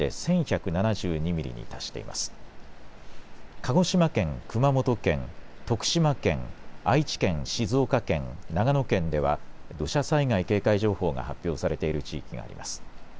鹿児島県、熊本県、徳島県、愛知県、静岡県、長野県では土砂災害警戒情報が発表されている地域があります。